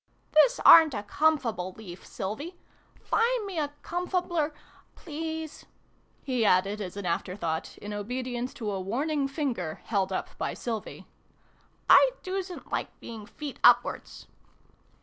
" This aren't a comfable leaf, Sylvie. Find me a comfabler please !" he added, as an after thought, in obedience to a warning finger held up by Sylvie. " I doosn't like being feet upwards